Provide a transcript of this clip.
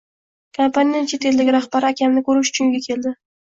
Kompaniyaning chet eldagi rahbari akamni koʻrish uchun uyga keldi